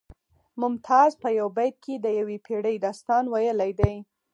ممتاز په یو بیت کې د یوې پیړۍ داستان ویلی دی